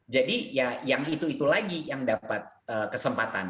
jadi ya yang itu itu lagi yang dapat kesempatan